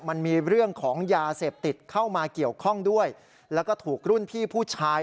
มันมีเรื่องของยาเสพติดเข้ามาเกี่ยวข้องด้วยแล้วก็ถูกรุ่นพี่ผู้ชาย